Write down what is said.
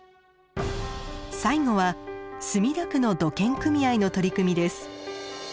最後は墨田区の土建組合の取り組みです。